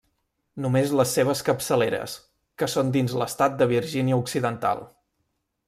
Només les seves capçaleres, que són dins l'estat de Virgínia Occidental.